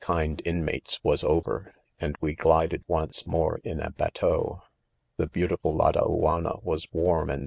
kind .inmates was over ; and we glided," once more, Tn a ba£ . teau. The beautiful Ladaiiannaiwas warm and